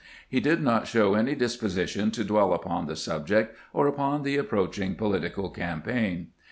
He did not show any disposition to dwell upon the subject, or upon the approaching political campaign.